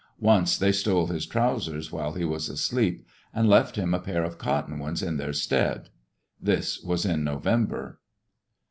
Once they stole his trousers while he was asleep, and left him a pair of cotton ones in their stead. This was in November.